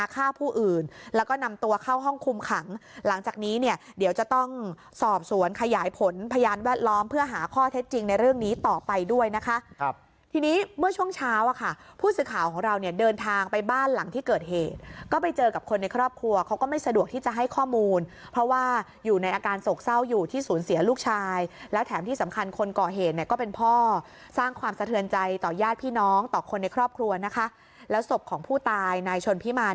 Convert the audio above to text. เข้าห้องคุมขังหลังจากนี้เนี่ยเดี๋ยวจะต้องสอบสวนขยายผลพยานแวดล้อมเพื่อหาข้อเท็จจริงในเรื่องนี้ต่อไปด้วยนะคะทีนี้เมื่อช่วงเช้าค่ะผู้สื่อข่าวของเราเนี่ยเดินทางไปบ้านหลังที่เกิดเหตุก็ไปเจอกับคนในครอบครัวเขาก็ไม่สะดวกที่จะให้ข้อมูลเพราะว่าอยู่ในอาการโศกเศร้าอยู่ที่ศูนย์เสียลูกช